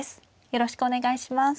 よろしくお願いします。